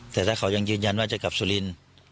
แต่ถ้าเขายังยืนยันว่าจะกลับสุรินทร์